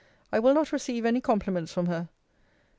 'I will not receive any compliments from her.'